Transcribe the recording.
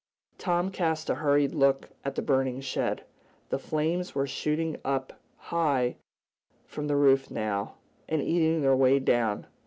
Tom cast a hurried look at the burning shed. The flames were shooting high up from the roof, now, and eating their way down.